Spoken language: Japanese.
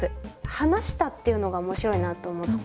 「話した」っていうのが面白いなと思って。